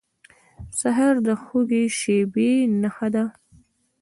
سهار د خوږې شېبې نښه ده.